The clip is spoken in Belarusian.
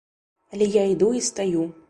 Але я іду і стаю.